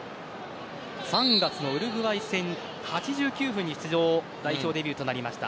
３月のウルグアイ戦８９分に出場代表デビューとなりました。